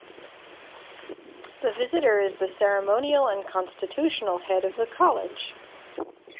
The Visitor is the ceremonial and constitutional head of the college.